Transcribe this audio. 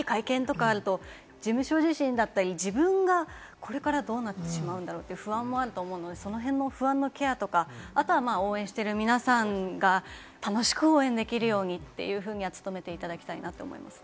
こういう大きい会見とかあると事務所自身だったり、自分がこれからどうなってしまうんだろう？っていう不安もあると思うので、その辺の不安のケアとか、あとは応援している皆さんが楽しく応援できるようにというふうには努めていただきたいと思いますね。